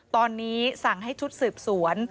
ตอนนี้สั่งให้ชุดสืบสวน